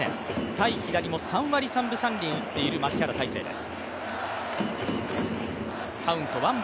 対左も３割３分３厘打っている牧原大成です。